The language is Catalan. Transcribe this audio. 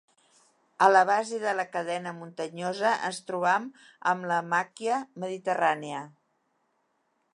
A la base de la cadena muntanyosa ens trobam amb la màquia mediterrània.